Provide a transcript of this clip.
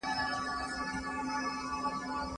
املا یو ګټور تمرین دی.